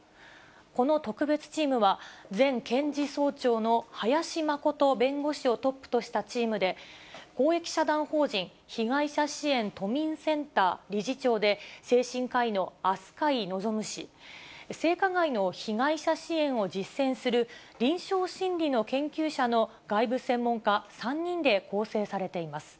この特別チームは、前検事総長の林眞琴弁護士をトップとしたチームで、公益社団法人被害者支援都民センター理事長で、精神科医の飛鳥井望氏、性加害の被害者支援を実践する臨床心理の研究者の外部専門家３人で構成されています。